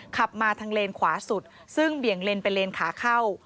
ขับมาทางเลนขวาสุดซึ่งเบี่ยงเลนไปเลนขาเข้า